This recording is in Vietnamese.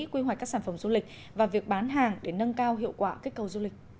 quy hoạch các sản phẩm du lịch và việc bán hàng để nâng cao hiệu quả kích cầu du lịch